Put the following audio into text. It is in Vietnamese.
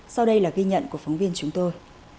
sau đây là ghi nhận của phóng viên chúng tôi